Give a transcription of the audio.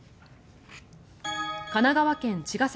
神奈川県茅ケ崎